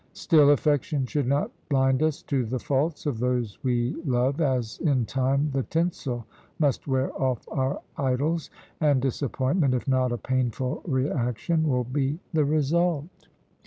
"Still affection should not blind us to the faults of those we love, as in time the tinsel must wear off our idols, and disappointment, if not a painful reaction, will be the result."